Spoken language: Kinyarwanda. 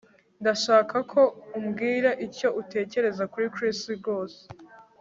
Ndashaka ko umbwira icyo utekereza kuri Chris rwose